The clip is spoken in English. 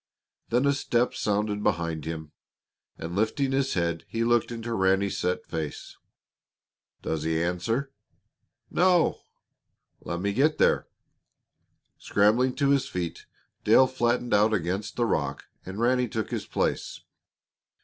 Then a step sounded behind him, and lifting his head, he looked into Ranny's set face. "Does he answer?" "No." "Let me get there." Scrambling to his feet, Dale flattened out against the rock and Ranny took his place.